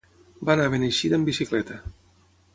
Va anar a Beneixida amb bicicleta.